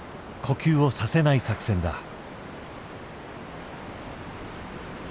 呼吸をさせない作戦だ。